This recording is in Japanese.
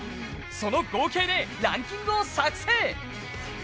その合計でランキングを作成！